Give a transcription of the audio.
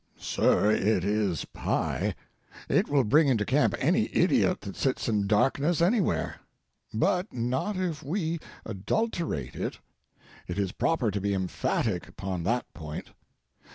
Sir, it is pie. It will bring into camp any idiot that sits in darkness anywhere. But not if we adulter ate it. It is proper to be emphatic upon that point.